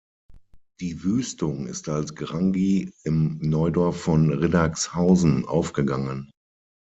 Die Wüstung ist als Grangie im Neudorf von Riddagshausen aufgegangen.